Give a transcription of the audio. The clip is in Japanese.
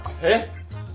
えっ！？